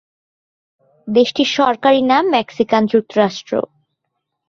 দেশটির সরকারি নাম মেক্সিকান যুক্তরাষ্ট্র।